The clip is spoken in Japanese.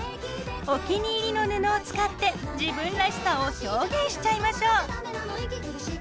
お気に入りの布を使って自分らしさを表現しちゃいましょう。